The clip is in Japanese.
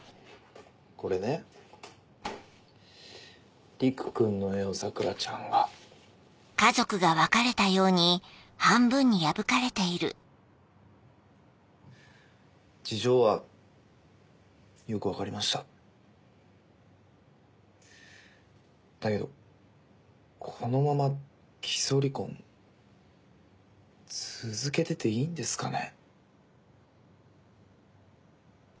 これね陸君の絵を桜ちゃんが事情はよく分かりましただけどこのまま偽装離婚続けてていいんですかね